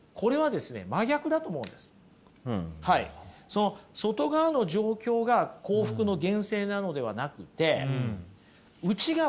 その外側の状況が幸福の源泉なのではなくて内側。